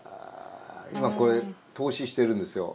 今これ透視してるんですよ。